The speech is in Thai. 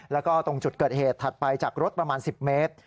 แล้วก็ตรงจุดเกิดเหตุถัดไปจากรถประมาณ๑๐เมตร